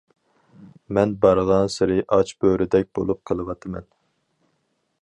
مەن بارغانسېرى ئاچ بۆرىدەك بولۇپ قېلىۋاتىمەن.